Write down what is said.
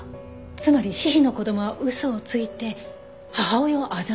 つまりヒヒの子供は嘘をついて母親を欺いた。